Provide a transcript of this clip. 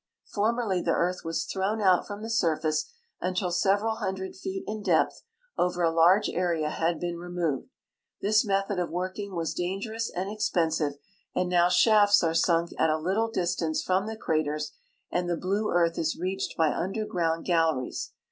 Formerly the earth was thrown out from the surface until several hundred feet in depth over a large area had been removed. This method of working was dan gerous and expensive, and now shafts are sunk at a little distance from the craters and the blue earth is reached by underground galleries.